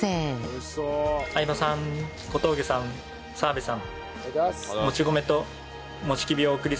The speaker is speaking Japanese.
相葉さん小峠さん澤部さん。